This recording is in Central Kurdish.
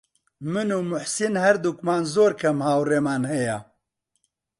من و موحسین هەردووکمان زۆر کەم هاوڕێمان هەیە.